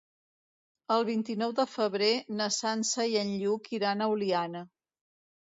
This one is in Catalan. El vint-i-nou de febrer na Sança i en Lluc iran a Oliana.